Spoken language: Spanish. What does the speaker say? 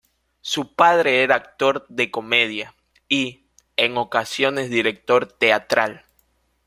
Su padre era actor de comedia y, en ocasiones, director teatral.